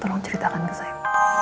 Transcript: tolong ceritakan ke saya